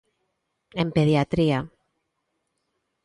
En pediatría.